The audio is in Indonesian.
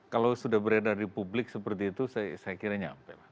kalau sudah beredar di publik seperti itu saya kira nyampe